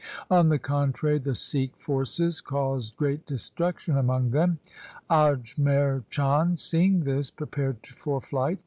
On the contrary the Sikh forces caused great destruction among them. Ajmer Chand, seeing this, prepared for flight.